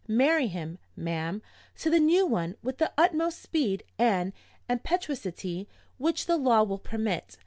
Marry him, ma'am, to the new one with the utmost speed and impetuosity which the law will permit.'